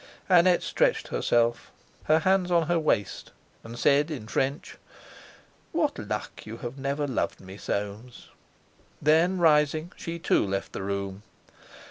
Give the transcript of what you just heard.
Annette stretched herself, her hands on her waist, and said in French: "What luck that you have never loved me, Soames!" Then rising, she too left the room.